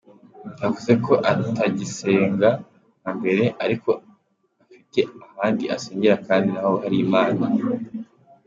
Yavuze ko atagisenga nka mbere ariko ko afite ahandi asengera kandi naho hari Imana.